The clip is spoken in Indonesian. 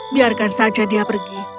biarkan saja dia pergi